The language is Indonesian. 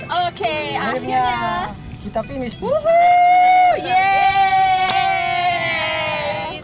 akhirnya kita selesai nih